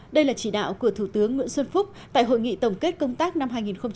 đây là chỉ đạo của thủ tướng nguyễn xuân phúc tại hội nghị tổng kết công tác năm hai nghìn một mươi chín